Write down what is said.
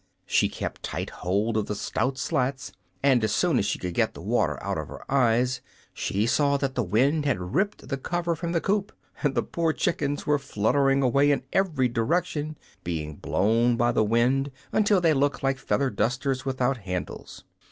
She kept tight hold of the stout slats and as soon as she could get the water out of her eyes she saw that the wind had ripped the cover from the coop, and the poor chickens were fluttering away in every direction, being blown by the wind until they looked like feather dusters without handles.